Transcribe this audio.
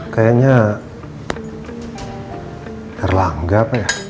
kayaknya erlangga apa ya